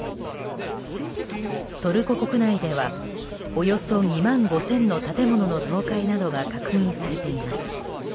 トルコ国内ではおよそ２万５０００もの建物の倒壊が確認されています。